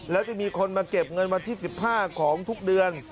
แล้วจะมีคนมาเก็บเงินวันที่๑๕ของทุกเดือน